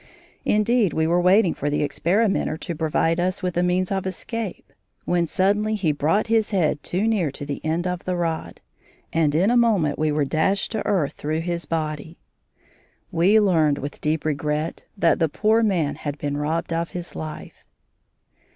Indeed we were waiting for the experimenter to provide us with a means of escape, when suddenly he brought his head too near to the end of the rod, and in a moment we were dashed to earth through his body. We learned with deep regret that the poor man had been robbed of his life.